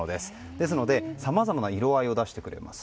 ですので、さまざまな色合いを出してくれます。